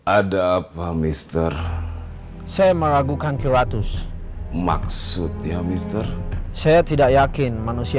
ada apa mister saya meragukan kilatus maksud ya mister saya tidak yakin manusia